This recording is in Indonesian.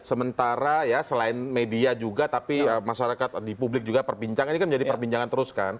sementara ya selain media juga tapi masyarakat di publik juga perbincang ini kan menjadi perbincangan terus kan